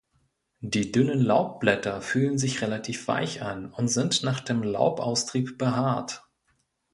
Die dünnen Laubblätter fühlen sich relativ weich an und sind nach dem Laubaustrieb behaart.